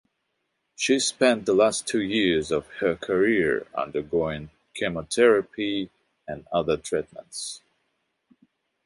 She spent the last two years of her career undergoing chemotherapy and other treatments.